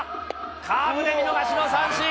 カーブで見逃しの三振。